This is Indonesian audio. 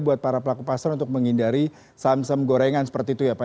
buat para pelaku pasar untuk menghindari saham saham gorengan seperti itu ya pak